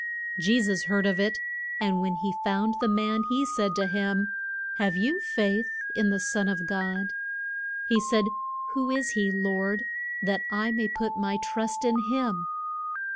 Je sus heard of it, and when he found the man he said to him, Have you faith in the son of God? He said, Who is he, Lord, that I may put my trust in him?